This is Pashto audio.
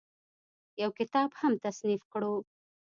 يو کتاب هم تصنيف کړو